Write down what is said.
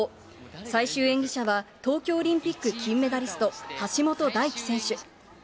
最終演技者は、東京オリンピック金メダリスト、橋本大輝選手。